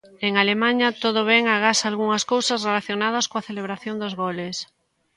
En Alemaña, todo ben agás algunhas cousas relacionadas coa celebración dos goles.